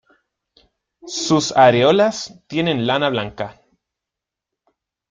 Sus areolas tienen lana blanca.